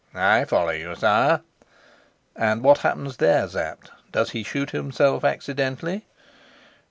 "I follow you, sire." "And what happens there, Sapt? Does he shoot himself accidentally?"